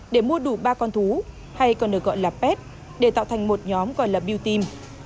để mua đủ ba con thú hay còn được gọi là pet để tạo thành một nhóm gọi là biêu tim